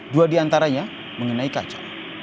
dua di antaranya mengenai kaca